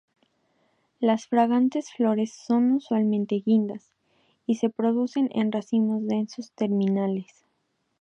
Las fragantes flores son usualmente guindas, y se producen en racimos densos terminales.